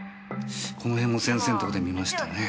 この辺も先生んとこで見ましたねぇ。